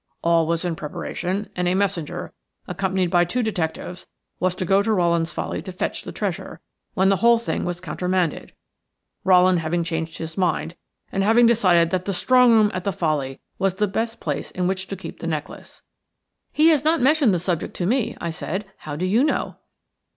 All was in preparation, and a messenger, accompanied by two detectives, was to go to Rowland's Folly to fetch the treasure, when the whole thing was countermanded, Rowland having changed his mind and having decided that the strong room at the Folly was the best place in which to keep the necklace." "He has not mentioned the subject to me," I said. "How do you know?"